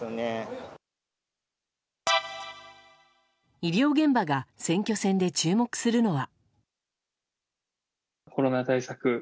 医療現場が選挙戦で注目するのは。